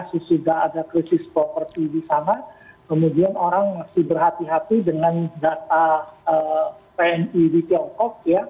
sesudah ada krisis properti di sana kemudian orang masih berhati hati dengan data pni di tiongkok ya